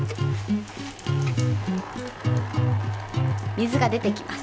水が出てきます。